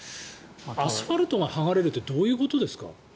アスファルトが剥がれるってどういうことですか。